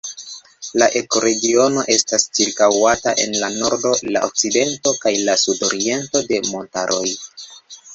La ekoregiono estas ĉirkaŭata en la nordo, la okcidento kaj la sudoriento de montaroj.